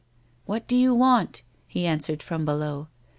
What do you want ]" he answered, from below.